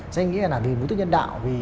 doanh nghĩa là vì mục đích nhân đạo